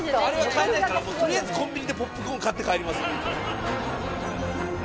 あれは買えないから取りあえずコンビニでポップコーン買って帰ります。